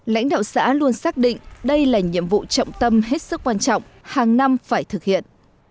lãnh đạo xã luôn xác định đây là nhiệm vụ trọng tâm hết sức quan trọng hàng năm phải thực hiện